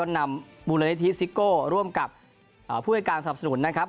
นำมูลนิธิซิโก้ร่วมกับผู้ให้การสนับสนุนนะครับ